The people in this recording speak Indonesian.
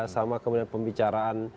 sama kemudian pembicaraan